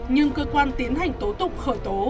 nhưng cơ quan tiến hành tố tục khởi tố